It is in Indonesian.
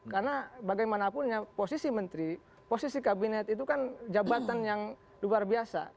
karena bagaimanapunnya posisi menteri posisi kabinet itu kan jabatan yang luar biasa